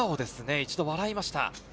一度笑いました。